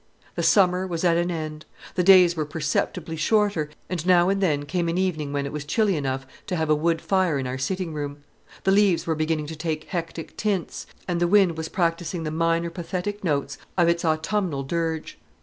The summer was at an end. The days were perceptibly shorter, and now and then came an evening when it was chilly enough to have a wood fire in our sitting room. The leaves were beginning to take hectic tints, and the wind was practising the minor pathetic notes of its autumnal dirge.